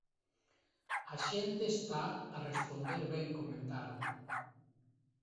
"A xente está a responder ben", comentaron.